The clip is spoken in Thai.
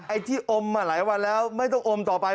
ไอ้ที่อมมาหลายวันแล้วไม่ต้องอมต่อไป